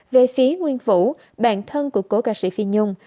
về phía nguyễn vũ bạn thân của cổ ca sĩ phi nhung